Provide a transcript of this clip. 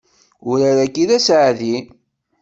Urar-agi d aseɛdi.